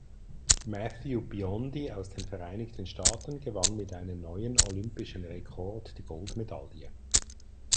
Matthew Biondi aus den Vereinigten Staaten gewann mit einem neuen Olympischen Rekord die Goldmedaille.